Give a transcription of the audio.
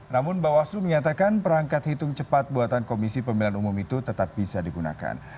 namun bawaslu menyatakan perangkat hitung cepat buatan komisi pemilihan umum itu tetap bisa digunakan